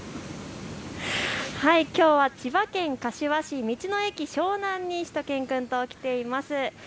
きょうは千葉県柏市道の駅しょうなんにしゅと犬くんと来ています。